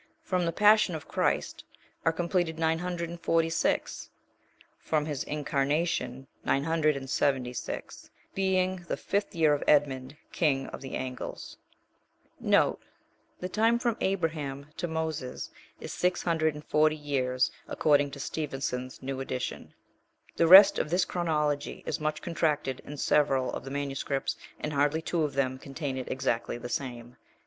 From the passion of Christ are completed nine hundred and forty six; from his incarnation, nine hundred and seventy six: being the fifth year of Edmund, king of the Angles. * And forty, according to Stevenson's new edition. The rest of this chronology is much contracted in several of the manuscripts, and hardly two of them contain it exactly the same.